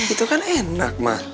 itu kan enak ma